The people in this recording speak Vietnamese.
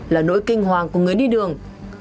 là nỗi kinh hoàng của người đi đường